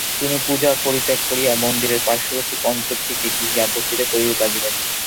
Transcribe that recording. তিনি পূজা পরিত্যাগ করিয়া মন্দিরের পার্শ্ববর্তী পঞ্চবটীতে গিয়া বাস করিতে লাগিলেন।